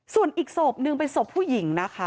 ส่วนอีกศพหนึ่งเป็นศพผู้หญิงนะคะ